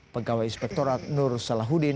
pegawai inspektorat nur salahudin